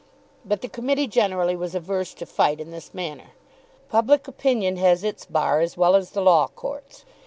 But the Committee generally was averse to fight in this manner. Public opinion has its Bar as well as the Law Courts.